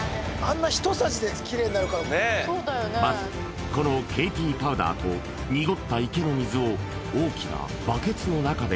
まずこのＫＴパウダーと濁った池の水を大きなバケツの中で攪拌します